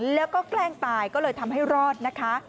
แล้วก็แกล้งตายก็เลยทำให้รอดนะคะ